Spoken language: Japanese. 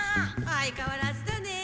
相かわらずだねえ。